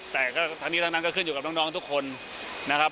แต่ก็ทั้งนี้ทั้งนั้นก็ขึ้นอยู่กับน้องทุกคนนะครับ